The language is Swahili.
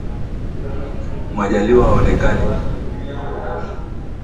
Majaliwa haonekani